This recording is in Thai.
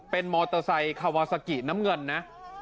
เป็นมอเตอร์ไซค์คาวาซากิน้ำเงินนะ